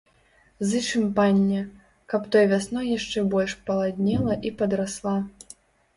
Зычым панне, каб той вясной яшчэ больш паладнела і падрасла.